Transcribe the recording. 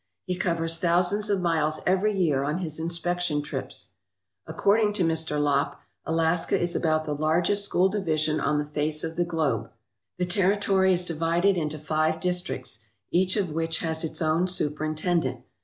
He covers thousands of miles every year on his inspection trips. According to Mr. Lopp, Alaska is about the largest school division on the face of the globe. The territory is divided into five districts, each of which has its own superintendent.